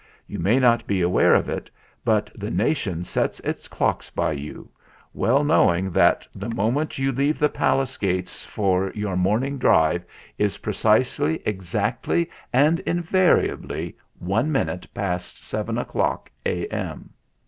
You may not be aware of it, but the nation sets its clocks by you, well knowing 198 THE FLINT HEART that the moment you leave the palace gates for your morning drive is precisely, exactly, and invariably one minute past seven o'clock A. M."